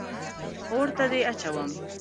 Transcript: اور ته دې اچوم.